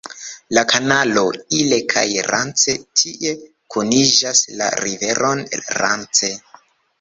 La kanalo Ille-kaj-Rance tie kuniĝas la riveron Rance.